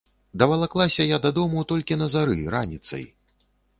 Давалаклася я дадому толькі на зары, раніцай.